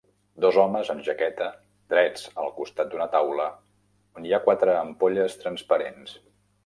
Dos homes amb jaqueta drets al costat d'una taula on hi ha quatre ampolles transparents.